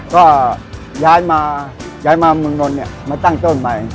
ก็ย้ายมาเมืองนลมาตั้งโจทย์ใหม่